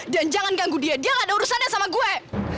dan jangan ganggu dia dia gak ada urusan sama gue